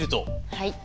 はい。